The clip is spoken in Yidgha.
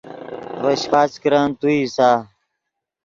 ڤے شیپچ کرن تو اِیسا